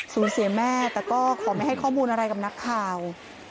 สูญเสียแม่แต่ก็ขอไม่ให้ข้อมูลอะไรกับนักข่าว